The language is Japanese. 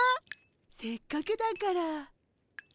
せっかくだから。